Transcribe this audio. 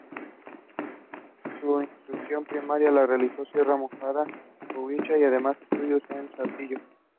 Su instrucción primaria la realizó en Sierra Mojada, Coahuila y demás estudios en Saltillo.